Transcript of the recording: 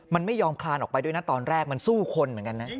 มันไม่ยอมคลานออกไปด้วยนะตอนแรกมันสู้คนเหมือนกันนะ